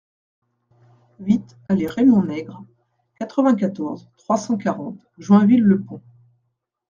huit allée Raymond Nègre, quatre-vingt-quatorze, trois cent quarante, Joinville-le-Pont